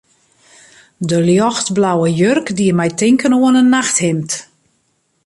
De ljochtblauwe jurk die my tinken oan in nachthimd.